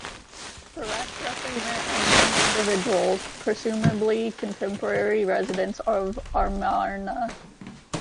The rest represent unknown individuals, presumably contemporary residents of Amarna.